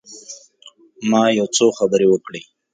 ما یو څو خبرې وکړې.